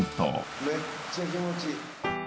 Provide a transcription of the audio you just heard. めっちゃ気持ちいい！